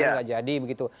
tidak jadi begitu